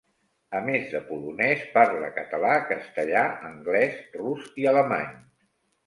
A més de polonès, parla català, castellà, anglès, rus i alemany.